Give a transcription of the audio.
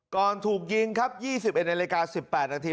ก่อนถูกยิงครับ๒๐ในรายการ๑๘นาที